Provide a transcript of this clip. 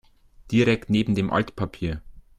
Direkt neben dem Altpapier.